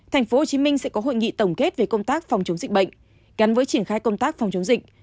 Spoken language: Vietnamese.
tp hcm sẽ có hội nghị tổng kết về công tác phòng chống dịch bệnh gắn với triển khai công tác phòng chống dịch